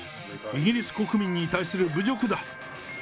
イギリス国民に対する侮辱だ。